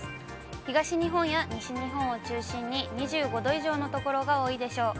東日本や西日本を中心に２５度以上の所が多いでしょう。